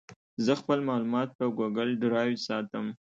زه خپل معلومات په ګوګل ډرایو ساتم.